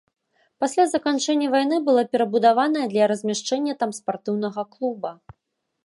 Пасля заканчэння вайны была перабудаваная для размяшчэння там спартыўнага клуба.